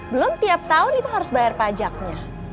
belum tiap tahun itu harus bayar pajaknya